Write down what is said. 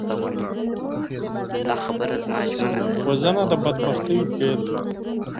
وژنه د بدبختیو پیل دی